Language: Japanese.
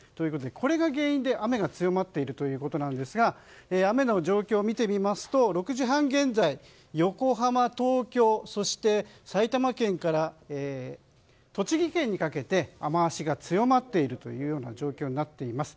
これが原因で雨が強まっているということなんですが雨の状況を見てみますと６時半現在横浜、東京、埼玉県から栃木県にかけて雨脚が強まっている状況になっています。